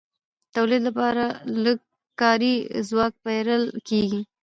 د تولید لپاره لږ کاري ځواک پېرل کېږي